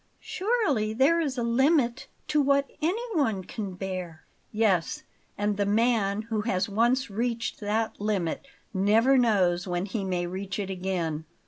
"Surely there is a limit to what anyone can bear." "Yes; and the man who has once reached that limit never knows when he may reach it again."